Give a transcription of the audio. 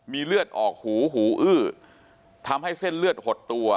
มีเลือดออกหูหูอื้อทำให้เส้นเลือดหดตัว